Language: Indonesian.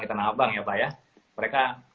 ya pak ya mereka